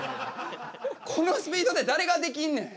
このスピードで誰ができんねん。